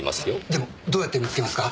でもどうやって見つけますか？